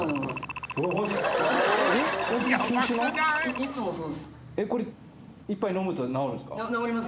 いつもそうっす。